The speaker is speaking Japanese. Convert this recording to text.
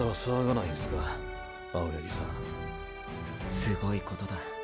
すごいことだ。